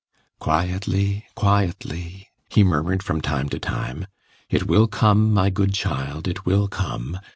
"Quietly quietly," he murmured from time to time. "It will come, my good child, it will come.